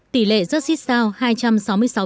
tỷ lệ rất xích sao